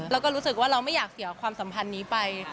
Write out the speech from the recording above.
แล้วก็รู้สึกว่าเราไม่อยากเสียความสัมพันธ์นี้ไป